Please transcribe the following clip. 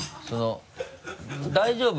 大丈夫？